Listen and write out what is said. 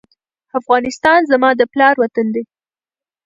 افغانستان زما د پلار وطن دی؟